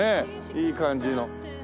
いい感じの。